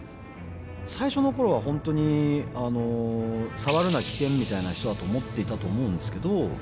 最初のころは本当にみたいな人だと思っていたと思うんですけど。